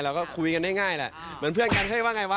แล้วก็คุยกันได้ง่ายแหละเหมือนเพื่อนกันเข้าได้ว่าไงวะ